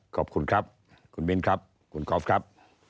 ขอบคุณครับคุณมิ้นครับคุณกอล์ฟครับ